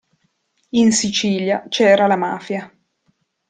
In Sicilia c'era la Mafia.